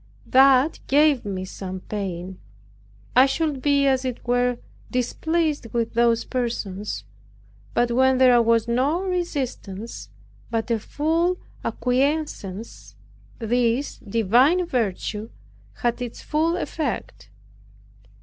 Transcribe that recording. That gave me some pain. I should be, as it were, displeased with those persons; but when there was no resistance, but a full acquiescence, this divine virtue had its full effect.